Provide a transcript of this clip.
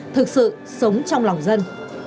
thực sự sống trong lòng dân